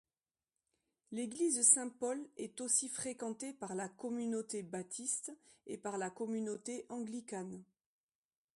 L’église Saint-Paul est aussi fréquentée par la communauté Baptiste et par la communauté Anglicane.